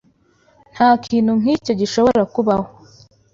Ntakintu nkicyo gishobora kubaho.